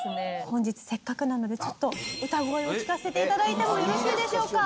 本日せっかくなのでちょっと歌声を聴かせて頂いてもよろしいでしょうか？